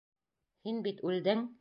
Һин бит үлдең!